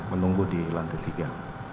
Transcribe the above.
menunggu di lantai tiga